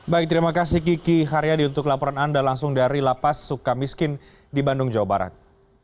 baik terima kasih kiki haryadi untuk laporan anda langsung dari lapas suka miskin di bandung jawa barat